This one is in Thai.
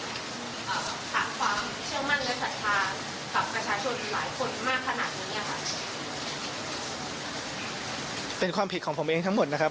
กับประชาชนหลายคนมากขนาดนี้เป็นความผิดของผมเองทั้งหมดนะครับ